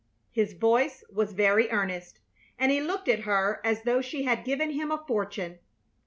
His voice was very earnest, and he looked at her as though she had given him a fortune.